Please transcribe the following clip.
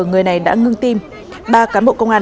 người này đã ngưng tim ba cán bộ công an